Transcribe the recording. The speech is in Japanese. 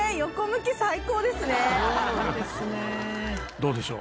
どうでしょう？